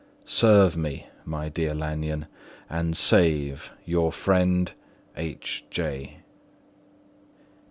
Serve me, my dear Lanyon and save "Your friend, "H.J.